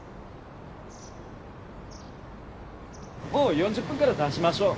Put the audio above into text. ４０分から出しましょう。